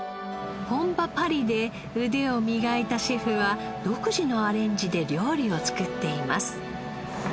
本場パリで腕を磨いたシェフは独自のアレンジで料理を作っています。